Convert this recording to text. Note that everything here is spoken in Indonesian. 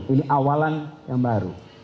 ini awalan yang baru